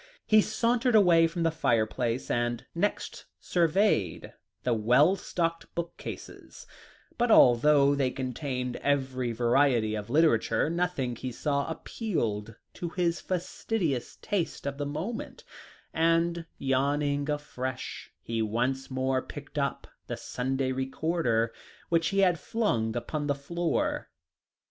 He sauntered away from the fireplace, and next surveyed the well stocked bookcases, but although they contained every variety of literature, nothing he saw appealed to his fastidious taste of the moment and, yawning afresh, he once more picked up the Sunday Recorder, which he had flung upon the floor.